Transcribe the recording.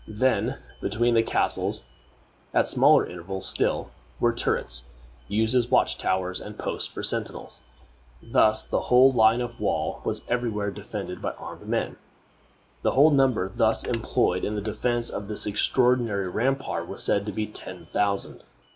Then, between the castles, at smaller intervals still, were turrets, used as watch towers and posts for sentinels. Thus the whole line of the wall was every where defended by armed men. The whole number thus employed in the defense of this extraordinary rampart was said to be ten thousand.